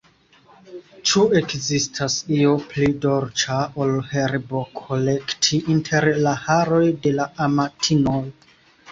Ĉu ekzistas io pli dolĉa, ol herbokolekti inter la haroj de la amatino?